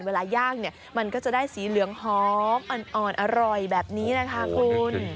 ย่างเนี่ยมันก็จะได้สีเหลืองหอมอ่อนอร่อยแบบนี้แหละค่ะคุณ